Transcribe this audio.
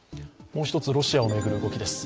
もう一つ、ロシアを巡る動きです